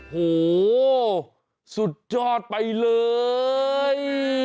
โหสุดยอดไปเลย